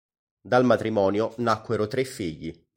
Dal matrimonio nacquero tre figli.